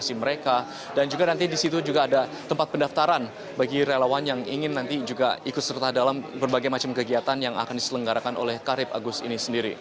di situ juga ada tempat pendaftaran bagi relawan yang ingin nanti juga ikut serta dalam berbagai macam kegiatan yang akan diselenggarakan oleh karip agus ini sendiri